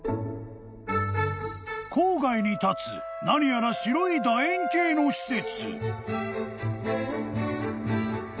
［郊外に立つ何やら白い楕円形の施設］